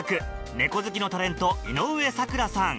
猫好きのタレント井上咲楽さん